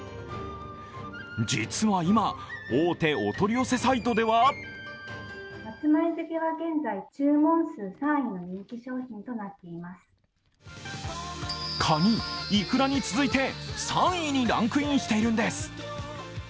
実は今、大手お取り寄せサイトではカニ、イクラに続いて３位にランクインしているんです。